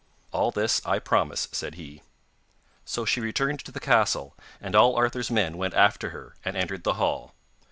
'All this I promise,' said he. So she returned to the castle, and all Arthur's men went after her, and entered the hall.